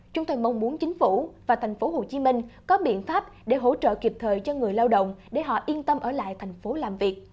chúng tôi mong muốn chính phủ và tp hcm có biện pháp để hỗ trợ kịp thời cho người lao động để họ yên tâm ở lại thành phố làm việc